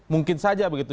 mungkin saja begitu